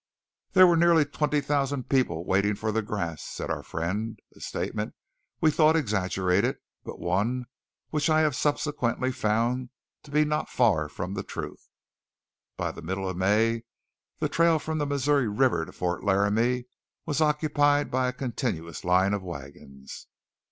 "There were near twenty thousand people waiting for the grass," said our friend; a statement we thought exaggerated, but one which I have subsequently found to be not far from the truth. By the middle of May the trail from the Missouri River to Fort Laramie was occupied by a continuous line of wagons.